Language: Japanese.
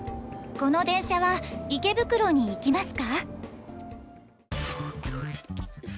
この電車は秋葉原に行きますか？